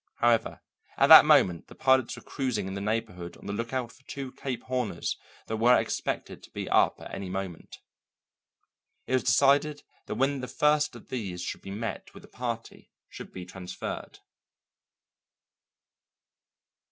However, at that moment the pilots were cruising in the neighbourhood on the lookout for two Cape Horners that were expected to be up at any moment. It was decided that when the first of these should be met with the party should be transferred.